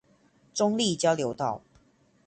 中壢交流道